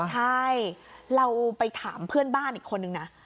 ใช่เราไปถามเพื่อนบ้านอีกคนนึงนะ